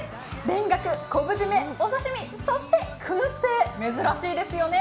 田楽、昆布締め、お刺身、そしてくん製、珍しいですよね。